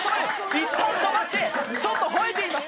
いったん止まってちょっとほえています